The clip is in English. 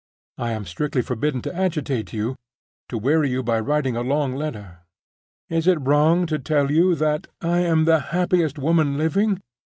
"I am strictly forbidden to agitate you, or to weary you by writing a long letter. Is it wrong to tell you that I am the happiest woman living?